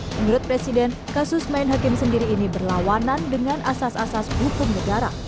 menurut presiden kasus main hakim sendiri ini berlawanan dengan asas asas hukum negara